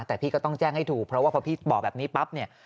แต่พี่ก็ต้องแจ้งให้ถูกเพราะว่าพอพี่บอกแบบนี้ปั๊บเนี่ย